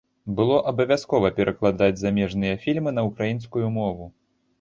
Было абавязкова перакладаць замежныя фільмы на ўкраінскую мову.